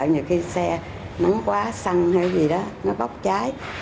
nhiều khi xe nắng quá săn hay gì đó nó góc cháy